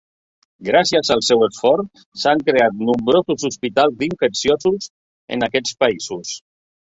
Gràcies al seu esforç s'han creat nombrosos hospitals d'infecciosos en aquests països.